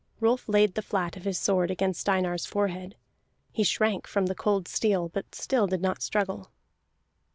Rolf laid the flat of his sword against Einar's forehead; he shrank from the cold steel, but still did not struggle.